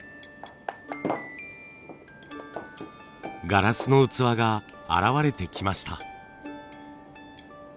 ガラスの器が現れてきました。